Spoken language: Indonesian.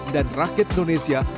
dan rakyat indonesia